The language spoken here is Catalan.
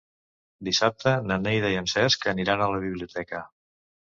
Dissabte na Neida i en Cesc aniran a la biblioteca.